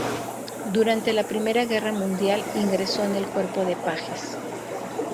Durante la Primera Guerra Mundial ingresó en el Cuerpo de Pajes.